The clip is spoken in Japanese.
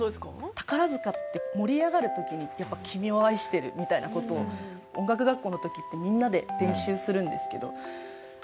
宝塚って盛り上がる時にやっぱ「君を愛してる」みたいな事を音楽学校の時ってみんなで練習するんですけど。